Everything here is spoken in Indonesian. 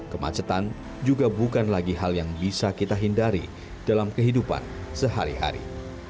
kemacetan juga bukan lagi hal yang bisa kita hindari dalam kehidupan sehari hari